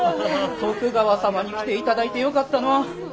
徳川様に来ていただいてよかったのう。